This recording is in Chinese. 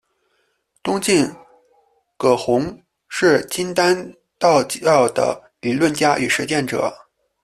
东晋葛洪是金丹道教的理论家与实践者。